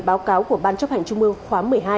báo cáo của ban chấp hành trung ương khóa một mươi hai